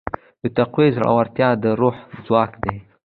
د تقوی زړورتیا د روح ځواک دی.